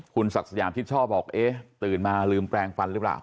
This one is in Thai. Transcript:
คุณศักดิ์สยามชิดชอบบอกเอ๊ะตื่นมาลืมแปลงฟันหรือเปล่า